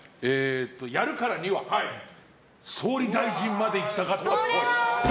やるからには総理大臣まで行きたかったっぽい。